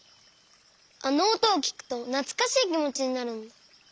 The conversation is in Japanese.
あのおとをきくとなつかしいきもちになるんだ。